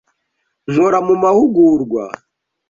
Nkora mu mahugurwa.